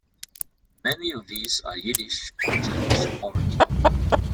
Many of these are of Yiddish or Jewish origin.